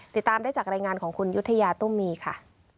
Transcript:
ติดตามได้จากรายงานของคุณยุธยาตุ้มมีค่ะ